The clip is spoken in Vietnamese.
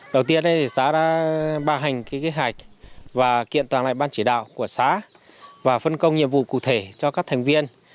đầu tiên xã đã ba hành kế hoạch và kiện toàn lại ban chỉ đạo của xã và phân công nhiệm vụ cụ thể cho các thành viên